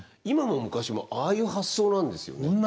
今も昔もああいう発想なんですよね。